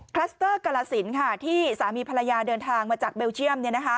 คลัสเตอร์กราศิลป์ค่ะที่สามีภรรยาเดินทางมาจากเบลเชียม